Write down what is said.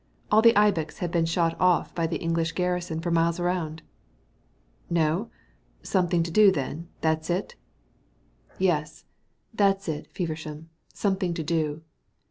"All the ibex had been shot off by the English garrison for miles round." "No? Something to do, then. That's it?" "Yes, that's it, Feversham. Something to do."